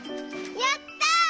やった！